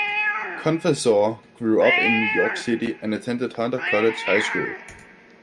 Confessore grew up in New York City and attended Hunter College High School.